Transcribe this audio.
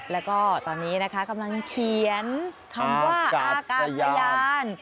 แล้วก็ตอนนี้นะคะกำลังเขียนคำว่าอากาศยาน